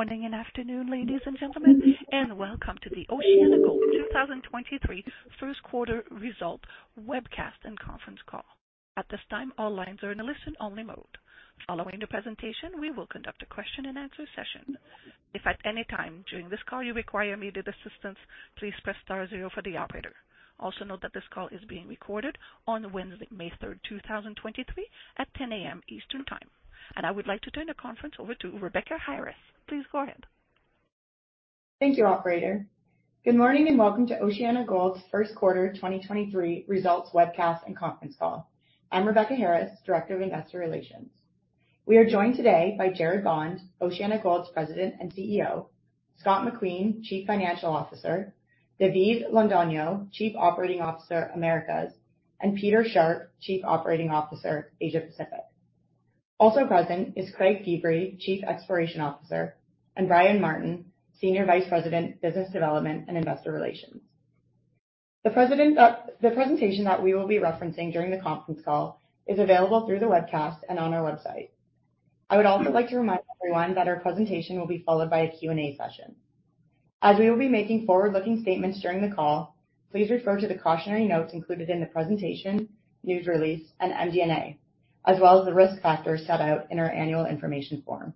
Morning and afternoon, ladies and gentlemen, and welcome to the OceanaGold 2023 Q1 Result webcast and Conference Call. At this time, all lines are in a listen-only mode. Following the presentation, we will conduct a question and answer session. If at any time during this call you require immediate assistance, please press star zero for the operator. Also note that this call is being recorded on Wednesday, May 3rd, 2023 at 10:00 A.M. Eastern Time. I would like to turn the conference over to Rebecca Harris. Please go ahead. Thank you, operator. Good morning and welcome to OceanaGold's Q1 2023 Results Webcast and Conference Call. I'm Rebecca Harris, Director of Investor Relations. We are joined today by Gerard Bond, OceanaGold's President and CEO, Scott McQueen, Chief Financial Officer, David Londoño, Chief Operating Officer, Americas, and Peter Sharpe, Chief Operating Officer, Asia Pacific. Also present is Craig Feebray, Chief Exploration Officer, and Brian Martin, Senior Vice President, Business Development and Investor Relations. The presentation that we will be referencing during the conference call is available through the webcast and on our website. I would also like to remind everyone that our presentation will be followed by a Q&A session. As we will be making forward-looking statements during the call, please refer to the cautionary notes included in the presentation, news release, and MD&A, as well as the risk factors set out in our Annual Information Form.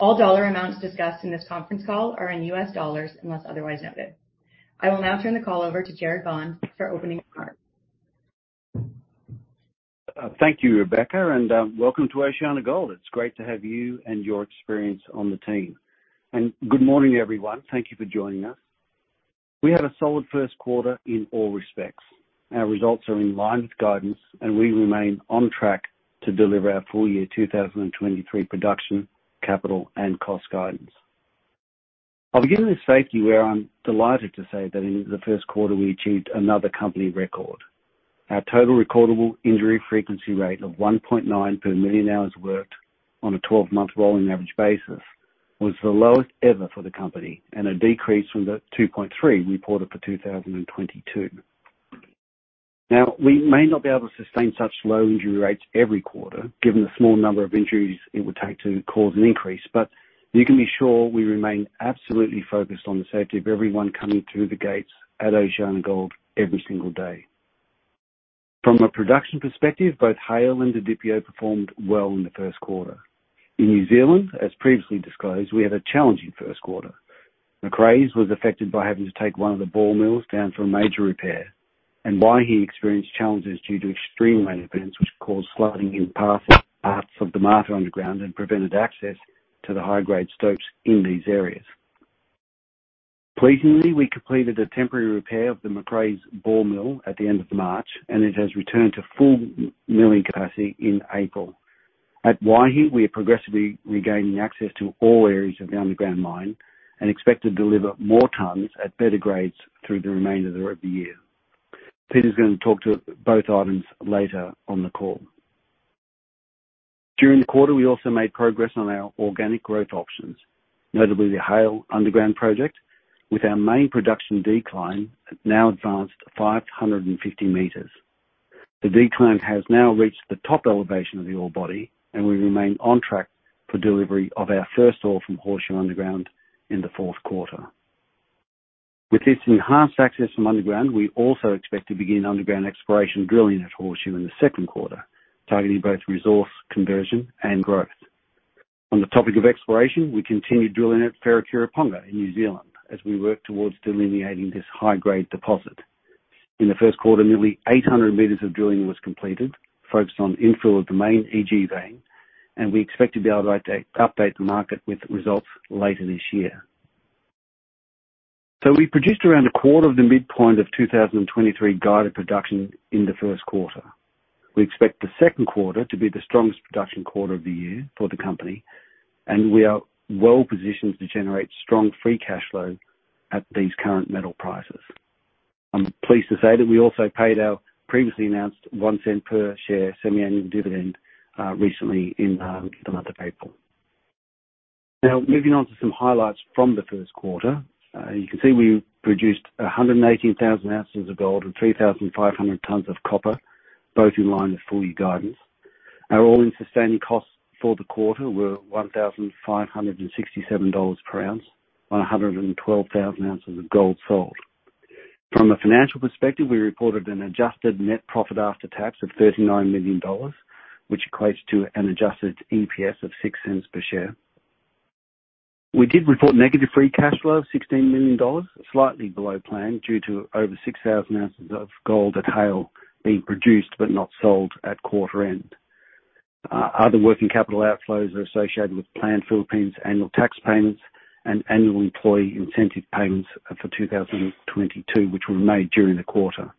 All dollar amounts discussed in this conference call are in US dollars, unless otherwise noted. I will now turn the call over to Gerard Bond for opening remarks. Thank you, Rebecca, and welcome to OceanaGold. It's great to have you and your experience on the team. Good morning, everyone. Thank you for joining us. We had a solid Q1 in all respects. Our results are in line with guidance, and we remain on track to deliver our full year 2023 production, capital, and cost guidance. I'll begin with safety, where I'm delighted to say that in the Q1 we achieved another company record. Our total recordable injury frequency rate of 1.9 per million hours worked on a 12-month rolling average basis was the lowest ever for the company and a decrease from the 2.3 reported for 2022. We may not be able to sustain such low injury rates every quarter given the small number of injuries it would take to cause an increase, but you can be sure we remain absolutely focused on the safety of everyone coming through the gates at OceanaGold every single day. From a production perspective, both Haile and Didipio performed well in the Q1. In New Zealand, as previously disclosed, we had a challenging Q1. Macraes was affected by having to take one of the ball mills down for a major repair, and Waihi experienced challenges due to extreme rain events which caused sliding in parts of the Martha underground and prevented access to the high-grade stopes in these areas. Pleasingly, we completed a temporary repair of the Macraes ball mill at the end of March, and it has returned to full mill capacity in April. At Waihi, we are progressively regaining access to all areas of the underground mine and expect to deliver more tonnes at better grades through the remainder of the year. Peter's gonna talk to both items later on the call. During the quarter, we also made progress on our organic growth options, notably the Haile Underground Project, with our main production decline now advanced 550 meters. The decline has now reached the top elevation of the ore body, and we remain on track for delivery of our first ore from Horseshoe Underground in the Q4. With this enhanced access from underground, we also expect to begin underground exploration drilling at Horseshoe in the Q2, targeting both resource conversion and growth. On the topic of exploration, we continued drilling at Wharekirauponga in New Zealand as we work towards delineating this high-grade deposit. In the Q1, nearly 800 meters of drilling was completed, focused on infill of the main EG vein. We expect to be able to update the market with results later this year. We produced around a quarter of the midpoint of 2023 guided production in the Q1. We expect the Q2 to be the strongest production quarter of the year for the company. We are well positioned to generate strong free cash flow at these current metal prices. I'm pleased to say that we also paid our previously announced $0.01 per share semi-annual dividend recently in the month of April. Now, moving on to some highlights from the Q1. You can see we produced 118,000 ounces of gold and 3,500 tons of copper, both in line with full-year guidance. Our all-in sustaining costs for the quarter were $1,567 per ounce on 112,000 ounces of gold sold. From a financial perspective, we reported an adjusted net profit after tax of $39 million, which equates to an adjusted EPS of $0.06 per share. We did report negative free cash flow of $16 million, slightly below plan due to over 6,000 ounces of gold at Haile being produced but not sold at quarter end. Other working capital outflows are associated with planned Philippines annual tax payments and annual employee incentive payments for 2022, which were made during the quarter.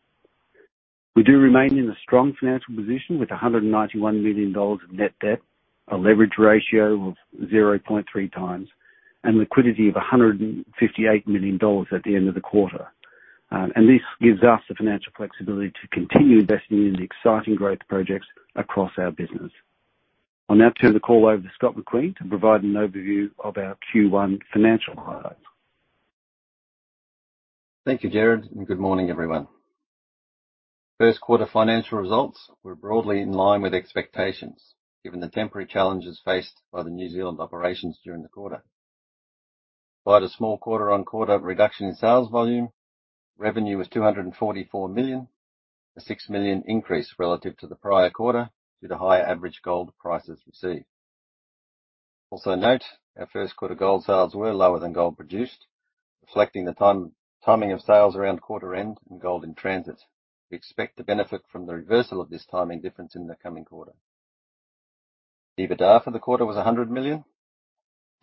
We do remain in a strong financial position with $191 million of net debt, a leverage ratio of 0.3 times, and liquidity of $158 million at the end of the quarter. This gives us the financial flexibility to continue investing in the exciting growth projects across our business. I'll now turn the call over to Scott McQueen to provide an overview of our Q1 financial highlights. Thank you, Gerard, and good morning everyone. Q1 financial results were broadly in line with expectations, given the temporary challenges faced by the New Zealand operations during the quarter. Despite a small quarter-on-quarter reduction in sales volume, revenue was $244 million, a $6 million increase relative to the prior quarter due to higher average gold prices received. Note, our Q1 gold sales were lower than gold produced, reflecting the timing of sales around quarter end and gold in transit. We expect to benefit from the reversal of this timing difference in the coming quarter. EBITDA for the quarter was $100 million.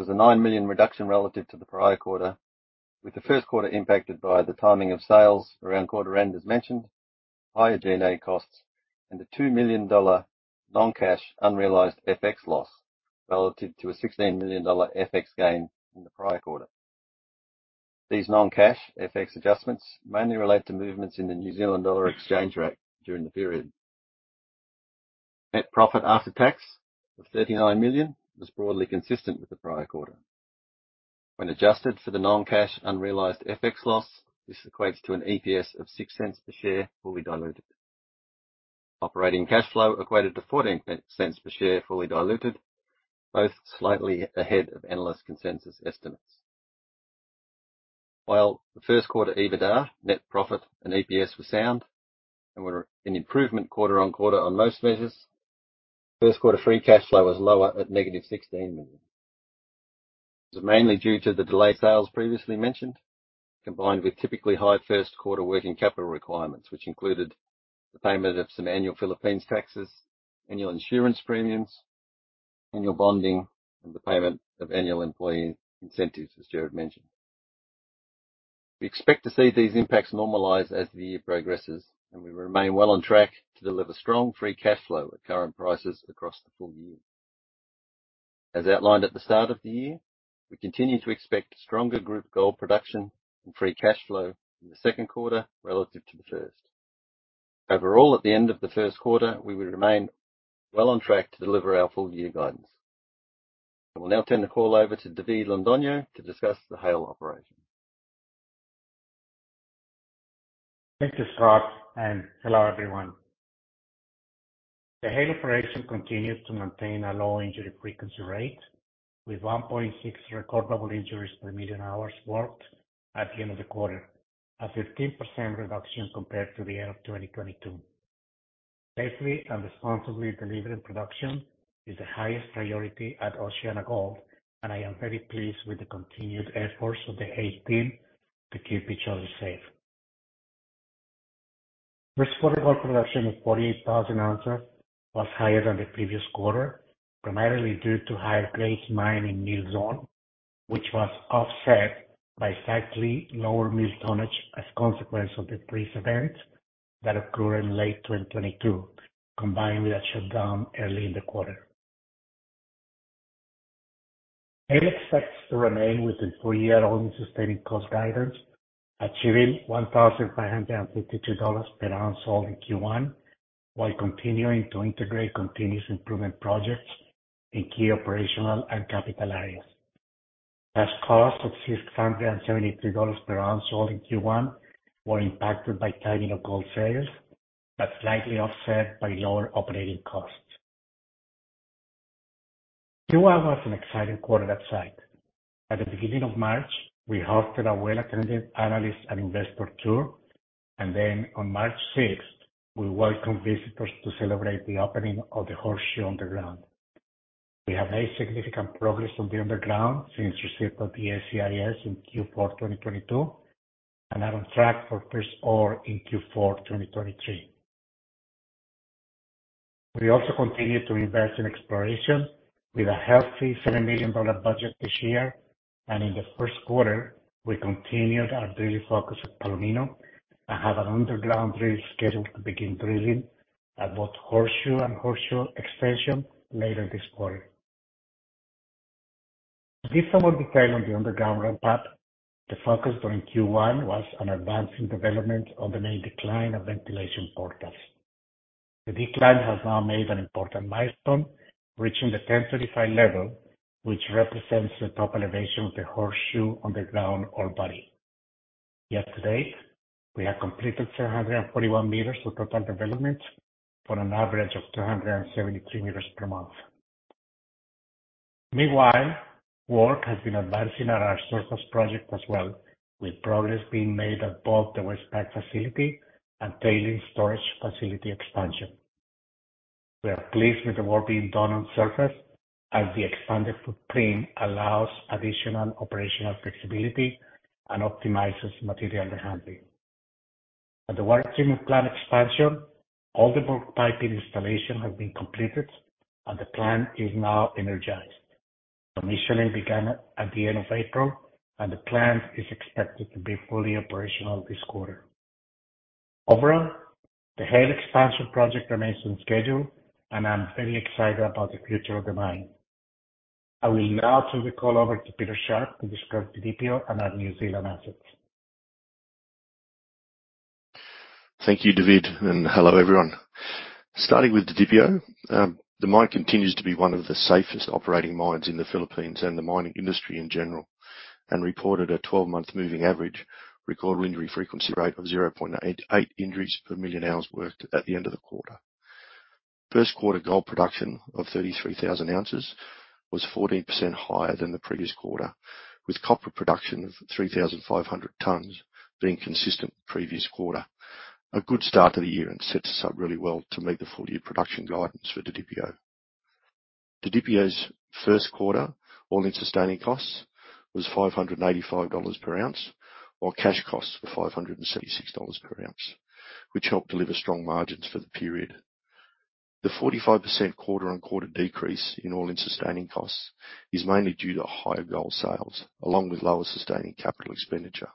It was a $9 million reduction relative to the prior quarter, with the Q1 impacted by the timing of sales around quarter end, as mentioned, higher G&A costs, and a $2 million non-cash unrealized FX loss relative to a $16 million FX gain in the prior quarter. These non-cash FX adjustments mainly relate to movements in the New Zealand dollar exchange rate during the period. Net profit after tax of $39 million was broadly consistent with the prior quarter. When adjusted for the non-cash unrealized FX loss, this equates to an EPS of $0.06 per share, fully diluted. Operating cash flow equated to $0.14 per share, fully diluted, both slightly ahead of analyst consensus estimates. While the Q1 EBITDA, net profit, and EPS were sound and were an improvement quarter on quarter on most measures, Q1 free cash flow was lower at negative $16 million. This was mainly due to the delayed sales previously mentioned, combined with typically high Q1 working capital requirements, which included the payment of some annual Philippines taxes, annual insurance premiums, annual bonding, and the payment of annual employee incentives, as Gerard mentioned. We expect to see these impacts normalize as the year progresses, and we remain well on track to deliver strong free cash flow at current prices across the full year. As outlined at the start of the year, we continue to expect stronger group gold production and free cash flow in the Q2 relative to the first. Overall, at the end of the Q1, we would remain well on track to deliver our full year guidance. I will now turn the call over to David Londoño to discuss the Haile operation. Thank you, Scott. Hello everyone. The Haile operation continues to maintain a low injury frequency rate with 1.6 recordable injuries per million hours worked at the end of the quarter, a 15% reduction compared to the end of 2022. Safely and responsibly delivering production is the highest priority at OceanaGold. I am very pleased with the continued efforts of the Haile team to keep each other safe. This quarter, gold production of 48,000 ounces was higher than the previous quarter, primarily due to higher-grade mining Mill Zone, which was offset by slightly lower mill tonnage as consequence of the freeze event that occurred in late 2022, combined with a shutdown early in the quarter. Haile expects to remain within full-year all-in sustaining cost guidance, achieving $1,552 per ounce sold in Q1, while continuing to integrate continuous improvement projects in key operational and capital areas. Cash costs of $673 per ounce sold in Q1 were impacted by timing of gold sales, slightly offset by lower operating costs. Q1 was an exciting quarter at site. On March 6th, we welcomed visitors to celebrate the opening of the Horseshoe Underground. We have made significant progress on the Underground since receiving the SEIS in Q4 2022, are on track for first ore in Q4 2023. We also continue to invest in exploration with a healthy $7 million budget this year. In the Q1, we continued our drilling focus at Palomino and have an underground drill scheduled to begin drilling at both horseshoe and horseshoe extension later this quarter. To give some more detail on the underground ramp up, the focus during Q1 was on advancing development of the main decline and ventilation portals. The decline has now made an important milestone, reaching the 1035 Level, which represents the top elevation of the horseshoe underground ore body. Year to date, we have completed 741 meters of total development, for an average of 273 meters per month. Meanwhile, work has been advancing at our surface project as well, with progress being made at both the waste pile facility and tailings storage facility expansion. We are pleased with the work being done on surface as the expanded footprint allows additional operational flexibility and optimizes material handling. At the waste stream plant expansion, all the bulk piping installation has been completed. The plant is now energized. Commissioning began at the end of April. The plant is expected to be fully operational this quarter. Overall, the Haile expansion project remains on schedule. I'm very excited about the future of the mine. I will now turn the call over to Peter Sharpe to discuss Didipio and our New Zealand assets. Thank you, David, and hello, everyone. Starting with Didipio, the mine continues to be one of the safest operating mines in the Philippines and the mining industry in general, and reported a 12-month moving average recordable injury frequency rate of 0.88 injuries per million hours worked at the end of the quarter. Q1 gold production of 33,000 ounces was 14% higher than the previous quarter, with copper production of 3,500 tons being consistent previous quarter. A good start to the year and sets us up really well to meet the full-year production guidance for Didipio. Didipio's Q1 all-in sustaining costs was $585 per ounce, while cash costs were $566 per ounce, which helped deliver strong margins for the period. The 45% quarter-on-quarter decrease in all-in sustaining costs is mainly due to higher gold sales along with lower sustaining capital expenditure.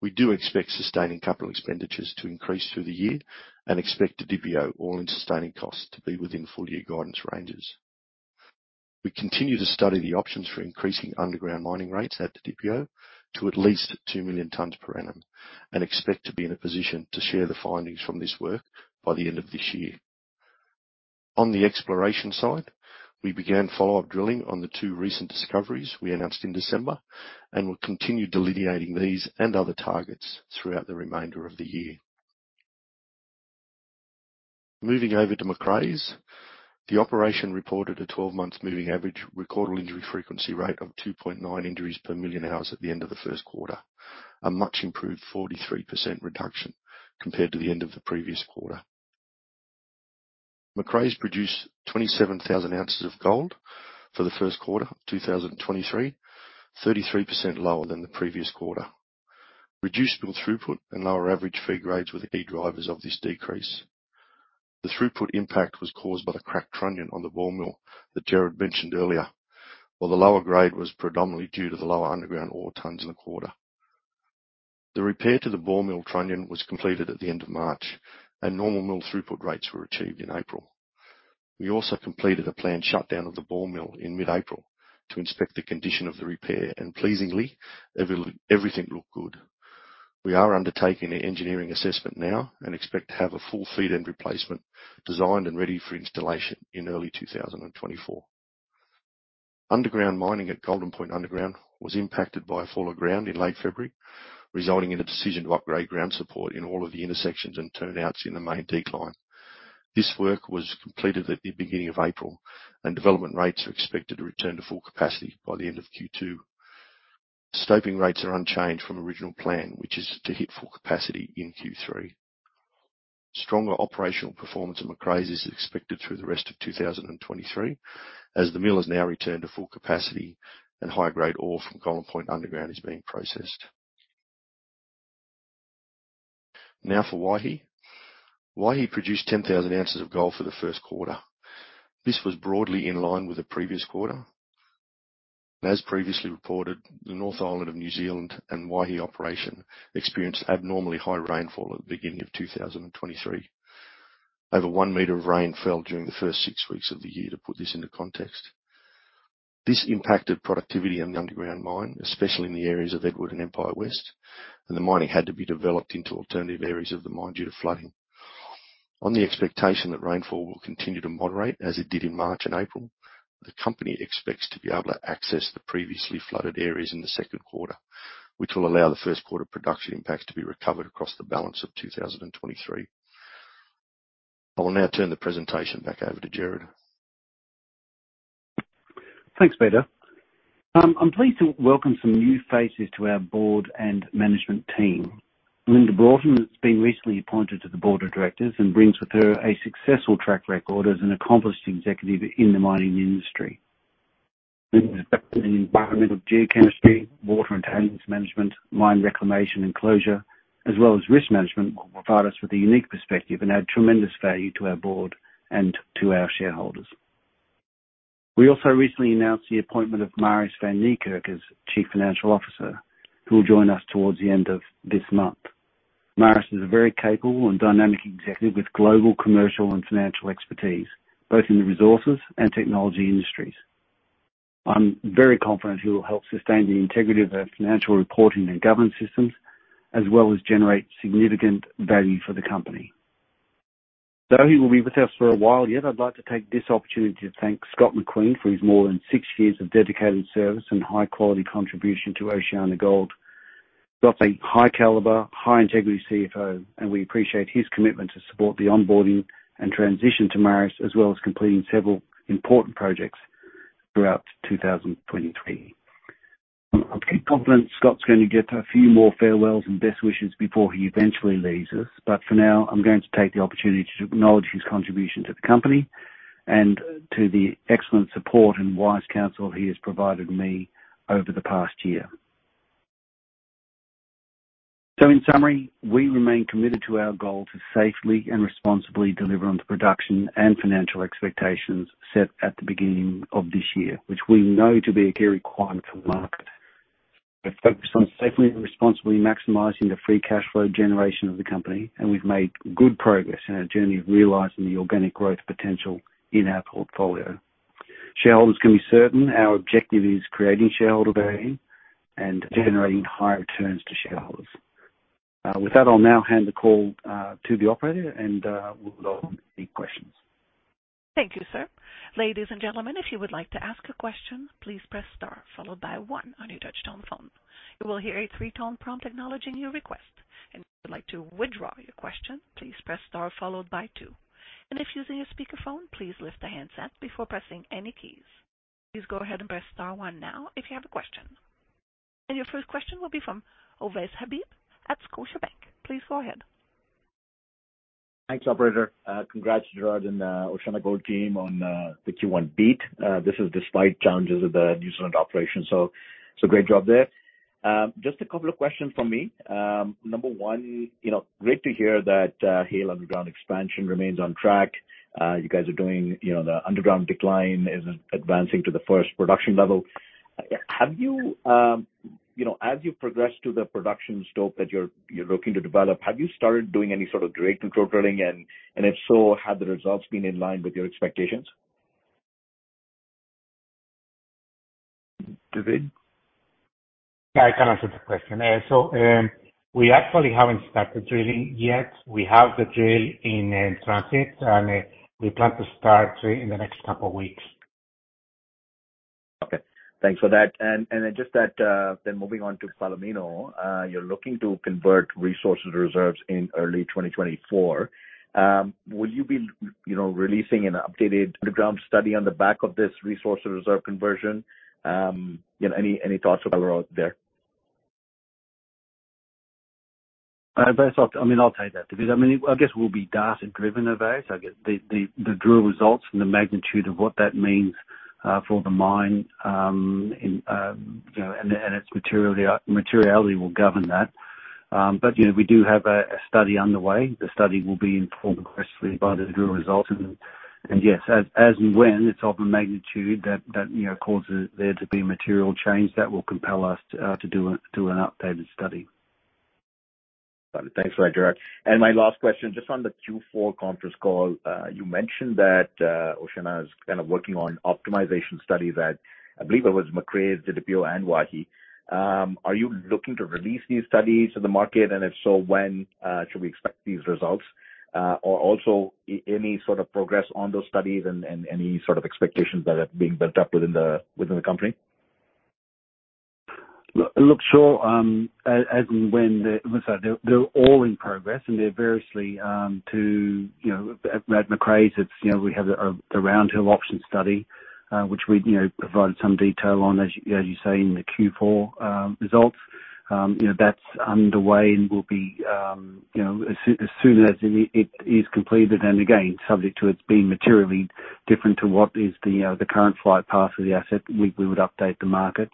We do expect sustaining capital expenditures to increase through the year and expect Didipio all-in sustaining cost to be within full-year guidance ranges. We continue to study the options for increasing underground mining rates at Didipio to at least 2 million tons per annum and expect to be in a position to share the findings from this work by the end of this year. On the exploration side, we began follow-up drilling on the two recent discoveries we announced in December and will continue delineating these and other targets throughout the remainder of the year. Moving over to Macraes, the operation reported a 12-month moving average recordable injury frequency rate of 2.9 injuries per million hours at the end of the Q1, a much improved 43% reduction compared to the end of the previous quarter. Macraes produced 27,000 ounces of gold for the Q1 of 2023, 33% lower than the previous quarter. Reduced mill throughput and lower average feed grades were the key drivers of this decrease. The throughput impact was caused by the cracked trunnion on the ball mill that Gerard mentioned earlier. While the lower grade was predominantly due to the lower underground ore tonnes in the quarter. The repair to the ball mill trunnion was completed at the end of March, and normal mill throughput rates were achieved in April. We also completed a planned shutdown of the ball mill in mid-April to inspect the condition of the repair, and pleasingly, everything looked good. We are undertaking an engineering assessment now and expect to have a full feed end replacement designed and ready for installation in early 2024. Underground mining at Golden Point Underground was impacted by a fall of ground in late February, resulting in a decision to upgrade ground support in all of the intersections and turnouts in the main decline. This work was completed at the beginning of April, and development rates are expected to return to full capacity by the end of Q2. Stoping rates are unchanged from original plan, which is to hit full capacity in Q3. Stronger operational performance at Macraes is expected through the rest of 2023 as the mill has now returned to full capacity and high-grade ore from Golden Point Underground is being processed. For Waihi. Waihi produced 10,000 ounces of gold for the Q1. This was broadly in line with the previous quarter. As previously reported, the North Island of New Zealand and Waihi operation experienced abnormally high rainfall at the beginning of 2023. Over one meter of rain fell during the first six weeks of the year, to put this into context. This impacted productivity in the underground mine, especially in the areas of Edward and Empire West, and the mining had to be developed into alternative areas of the mine due to flooding. On the expectation that rainfall will continue to moderate as it did in March and April, the company expects to be able to access the previously flooded areas in the Q2, which will allow the Q1 production impacts to be recovered across the balance of 2023. I will now turn the presentation back over to Gerard. Thanks, Peter. I'm pleased to welcome some new faces to our board and management team. Linda Broughton has been recently appointed to the board of directors and brings with her a successful track record as an accomplished executive in the mining industry. Linda's background in environmental geochemistry, water and tailings management, mine reclamation and closure, as well as risk management, will provide us with a unique perspective and add tremendous value to our board and to our shareholders. We also recently announced the appointment of Marius van Niekerk as Chief Financial Officer, who will join us towards the end of this month. Marius is a very capable and dynamic executive with global commercial and financial expertise, both in the resources and technology industries. I'm very confident he will help sustain the integrity of our financial reporting and governance systems, as well as generate significant value for the company. Though he will be with us for a while, yet I'd like to take this opportunity to thank Scott McQueen for his more than six years of dedicated service and high-quality contribution to OceanaGold. Scott's a high caliber, high integrity CFO, and we appreciate his commitment to support the onboarding and transition to Marius, as well as completing several important projects throughout 2023. I'm confident Scott's going to get a few more farewells and best wishes before he eventually leaves us. For now, I'm going to take the opportunity to acknowledge his contribution to the company and to the excellent support and wise counsel he has provided me over the past year. In summary, we remain committed to our goal to safely and responsibly deliver on the production and financial expectations set at the beginning of this year, which we know to be a key requirement for the market. We're focused on safely and responsibly maximizing the free cash flow generation of the company, and we've made good progress in our journey of realizing the organic growth potential in our portfolio. Shareholders can be certain our objective is creating shareholder value and generating higher returns to shareholders. With that, I'll now hand the call to the operator and we'll go to questions. Thank you, sir. Ladies and gentlemen, if you would like to ask a question, please press star followed by one on your touchtone phone. You will hear a three-tone prompt acknowledging your request. If you'd like to withdraw your question, please press star followed by two. If using a speakerphone, please lift the handset before pressing any keys. Please go ahead and press star one now if you have a question. Your first question will be from Ovais Habib at Scotiabank. Please go ahead. Thanks, operator. Congrats, Gerard, and OceanaGold team on the Q1 beat. This is despite challenges of the New Zealand operation, so it's a great job there. Just a couple of questions from me. Number one, you know, great to hear that Haile underground expansion remains on track. You guys are doing, you know, the underground decline is advancing to the first production level. Have you know, as you progress to the production stope that you're looking to develop, have you started doing any sort of grade control drilling? If so, have the results been in line with your expectations? David? I can answer the question. We actually haven't started drilling yet. We have the drill in transit, and we plan to start drilling in the next couple of weeks. Okay. Thanks for that. Then just that, then moving on to Palomino, you're looking to convert resources reserves in early 2024. Will you be, you know, releasing an updated underground study on the back of this resource or reserve conversion? You know, any thoughts around there? I, first off, I mean, I'll take that. I mean, I guess we'll be data-driven Ovais. I guess the drill results and the magnitude of what that means for the mine, and, you know, its materiality will govern that. You know, we do have a study underway. The study will be informed, firstly by the drill results. Yes, as and when it's of a magnitude that, you know, causes there to be material change, that will compel us to do an updated study. Got it. Thanks for that, Gerard. My last question, just on the Q4 conference call, you mentioned that OceanaGold is kind of working on optimization studies at, I believe it was Macraes, Didipio, and Waihi. Are you looking to release these studies to the market? If so, when, should we expect these results? Or also any sort of progress on those studies and any sort of expectations that are being built up within the, within the company? Look, as and when the... Let's say they're all in progress, and they're variously, to, you know, at Macraes, it's, you know, we have a, the Round Hill Option study, which we, you know, provided some detail on, as you say, in the Q4 results. You know, that's underway and will be, you know, as soon as it is completed, and again, subject to its being materially different to what is the current flight path of the asset, we would update the market.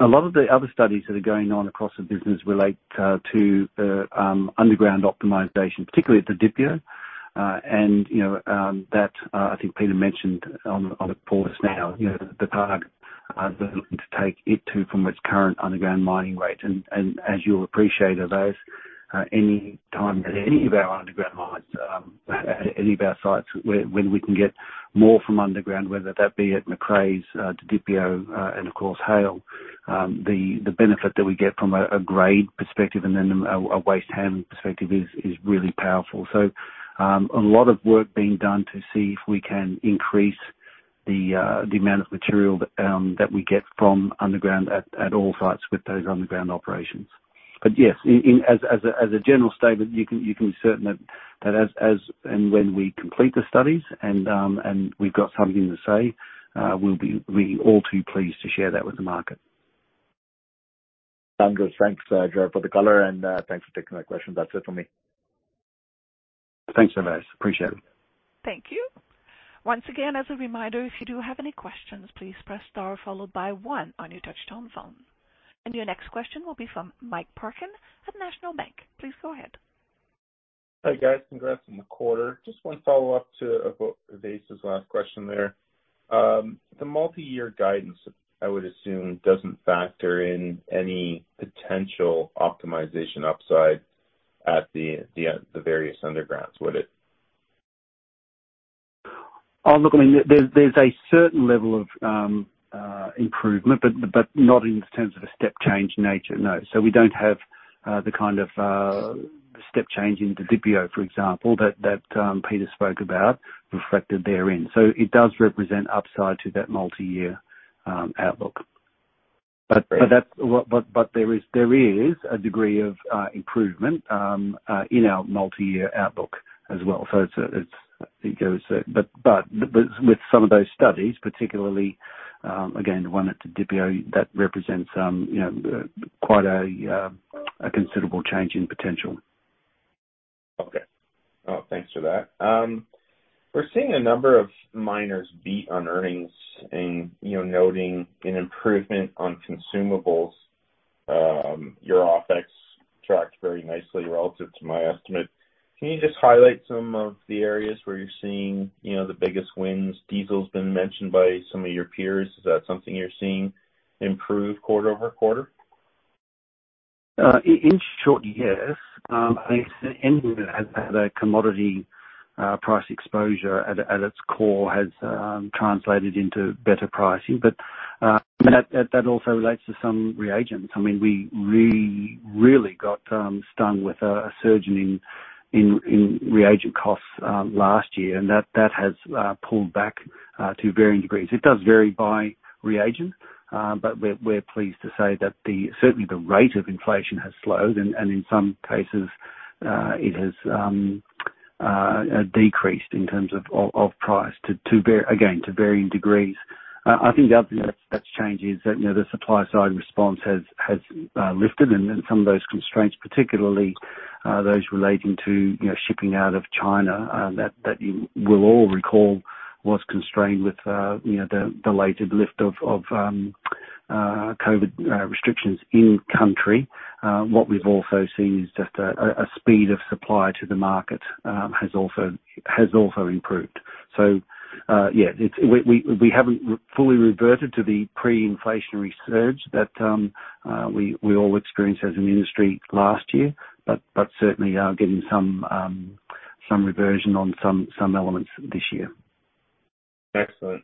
A lot of the other studies that are going on across the business relate to underground optimization, particularly at Didipio. That, I think Peter mentioned on the call just now, the target they're looking to take it to from its current underground mining rate. As you'll appreciate, Ovais, any time that any of our underground mines, any of our sites when we can get more from underground, whether that be at Macraes, Didipio, and of course, Haile, the benefit that we get from a grade perspective and then a waste handling perspective is really powerful. A lot of work being done to see if we can increase the amount of material that we get from underground at all sites with those underground operations. Yes, in, as a general statement, you can be certain that as and when we complete the studies and we've got something to say, we'll be really all too pleased to share that with the market. Sounds good. Thanks, Gerard, for the color, and thanks for taking my questions. That's it for me. Thanks, Ovais. Appreciate it. Thank you. Once again, as a reminder, if you do have any questions, please press star followed by one on your touchtone phone. Your next question will be from Mike Parkin at National Bank. Please go ahead. Hi, guys. Congrats on the quarter. Just one follow-up to Ovais' last question there. The multi-year guidance, I would assume, doesn't factor in any potential optimization upside at the various undergrounds, would it? Oh, look, I mean, there's a certain level of improvement, but not in terms of a step change nature. No. We don't have the kind of step change in Didipio, for example, that Peter spoke about reflected therein. It does represent upside to that multi-year outlook. Okay. There is a degree of improvement in our multi-year outlook as well. It's, I think it was, but with some of those studies, particularly, again, the one at Didipio, that represents, you know, quite a considerable change in potential. Okay. Well, thanks for that. We're seeing a number of miners beat on earnings and, you know, noting an improvement on consumables. Your OpEx tracked very nicely relative to my estimate. Can you just highlight some of the areas where you're seeing, you know, the biggest wins? Diesel's been mentioned by some of your peers. Is that something you're seeing improve quarter-over-quarter? In short, yes. I guess the end of it has had a commodity price exposure at its core has translated into better pricing. That also relates to some reagents. I mean, we really got stung with a surge in reagent costs last year. That has pulled back to varying degrees. It does vary by reagent, but we're pleased to say that certainly the rate of inflation has slowed and in some cases it has decreased in terms of price to again, to varying degrees. I think the other thing that's changed is that, you know, the supply side response has lifted and then some of those constraints, particularly, those relating to, you know, shipping out of China, that you will all recall was constrained with, you know, the delayed lift of COVID restrictions in country. What we've also seen is just a speed of supply to the market has also improved. Yeah, it's, we haven't fully reverted to the pre-inflationary surge that we all experienced as an industry last year. Certainly, getting some reversion on some elements this year. Excellent.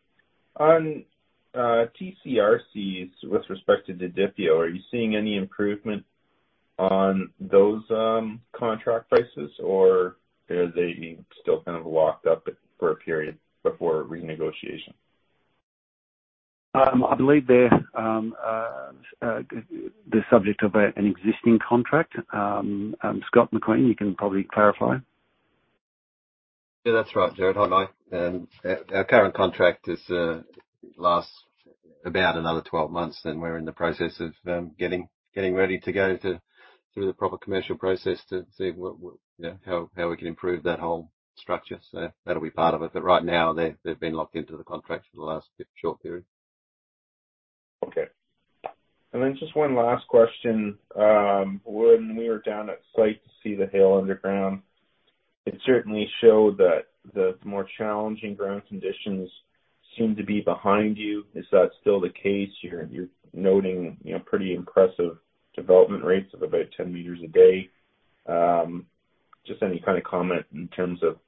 On TCRCs with respect to the Didipio, are you seeing any improvement on those contract prices? Are they still kind of locked up for a period before renegotiation? I believe they're the subject of an existing contract. Scott McQueen, you can probably clarify. Yeah, that's right, Gerard. Hi, Mike. Our current contract lasts about another 12 months, and we're in the process of getting ready to go through the proper commercial process to see what, you know, how we can improve that whole structure. That'll be part of it. Right now, they're, they've been locked into the contract for the last short period. Okay. Just one last question. When we were down at site to see the Haile underground, it certainly showed that the more challenging ground conditions seem to be behind you. Is that still the case? You're noting, you know, pretty impressive development rates of about 10 meters a day. Just any kind of comment in terms of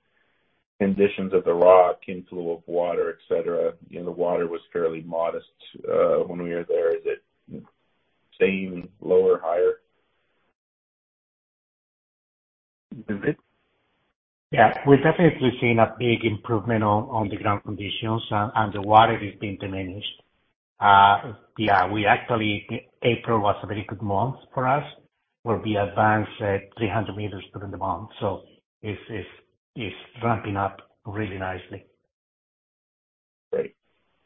conditions of the rock, inflow of water, et cetera. You know, the water was fairly modest when we were there. Is it staying, lower, higher? David? We're definitely seeing a big improvement on the ground conditions. The water is being diminished. We actually, April was a very good month for us, where we advanced 300 meters during the month. It's ramping up really nicely. Great.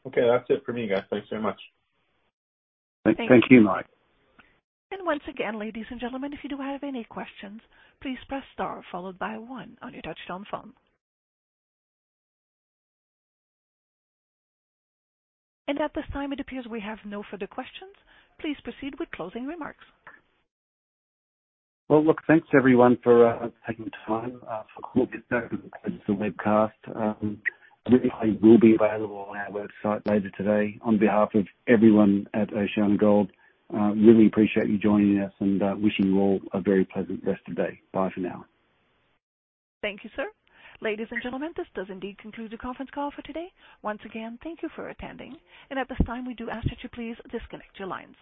Okay, that's it for me, guys. Thanks so much. Thank you, Mike. Once again, ladies and gentlemen, if you do have any questions, please press star followed by one on your touchtone phone. At this time, it appears we have no further questions. Please proceed with closing remarks. Well, look, thanks everyone for taking the time for the call this afternoon to listen to the webcast. The replay will be available on our website later today. On behalf of everyone at OceanaGold, really appreciate you joining us and wishing you all a very pleasant rest of the day. Bye for now. Thank you, sir. Ladies and gentlemen, this does indeed conclude the conference call for today. Once again, thank you for attending. At this time, we do ask that you please disconnect your lines.